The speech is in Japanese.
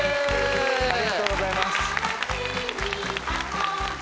ありがとうございます。